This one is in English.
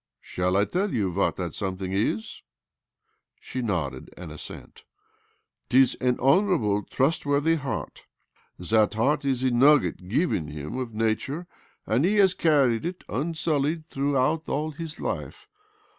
' Shall I tell you what that something is ?" She nodded an assent .' 'Tis an honourable, trustworthy heart. That heart is the nugget given him of Nature, and he has carried it unsullied through all his life.